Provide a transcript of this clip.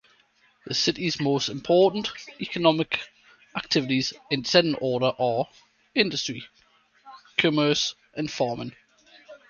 The city's most important economic activities, in descending order, are industry, commerce and farming.